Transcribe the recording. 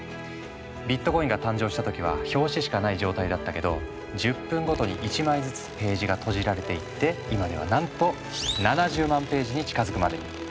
ビットコインが誕生した時は表紙しかない状態だったけど１０分ごとに１枚ずつページがとじられていって今ではなんと７０万ページに近づくまでに。